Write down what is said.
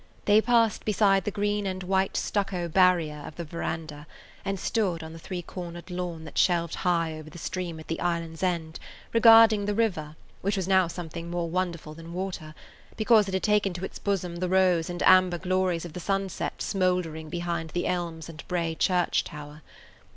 They passed beside the green and white stucco barrier of the veranda and stood on the three cornered lawn that shelved high over the stream at the island's end, regarding the river, which was now something more wonderful than water, because it had taken to its bosom the rose and amber glories of the sunset smoldering behind the elms and Bray church tower.